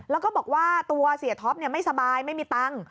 แล้วก็บอกว่าตัวเสียท็อปไม่สบายไม่มีตังค์